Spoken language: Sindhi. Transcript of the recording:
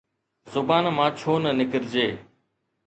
زبان مان ڇو نه نڪرجي؟